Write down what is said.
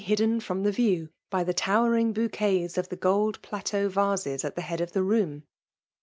hidden fipvm tbe view by tiie towering bouqaets ef f he geld plaleaa vases at the head of the rooni.